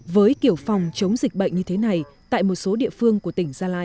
với kiểu phòng chống dịch bệnh như thế này tại một số địa phương của tỉnh gia lai